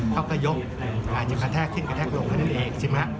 เขาก็ยกอาจจะกระแทกขึ้นกระแทกลงเท่านั้นเองใช่ไหม